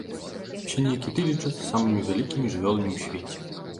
Сінія кіты лічацца самымі вялікімі жывёламі ў свеце.